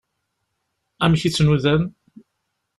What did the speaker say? Amek i tt-nudan?